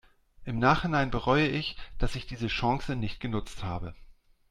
Im Nachhinein bereue ich, dass ich diese Chance nicht genutzt habe.